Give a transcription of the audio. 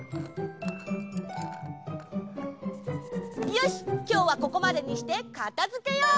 よしきょうはここまでにしてかたづけよう！